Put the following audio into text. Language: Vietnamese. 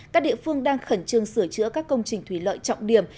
các địa phương đang khẩn trương sửa chữa các công trình thủy lợi trọng điểm